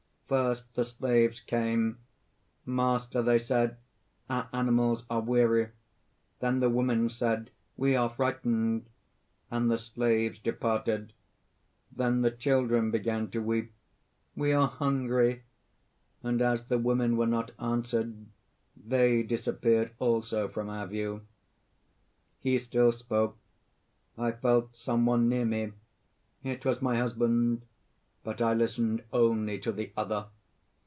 "First the slaves came. 'Master,' they said, 'our animals are weary.' Then the women said, 'We are frightened,' and the slaves departed. Then the children began to weep, 'We are hungry.' And as the women were not answered, they disappeared also from our view. "He still spoke. I felt some one near me. It was my husband; but I listened only to the other.